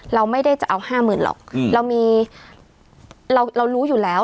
เราไม่ได้จะเอา๕๐๐๐หรอกเรามีเรารู้อยู่แล้ว